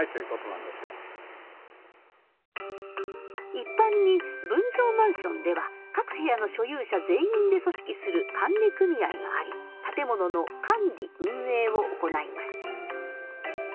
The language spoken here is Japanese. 一般に分譲マンションでは各部屋の所有者全員で組織する管理組合があり建物の管理運営を行います。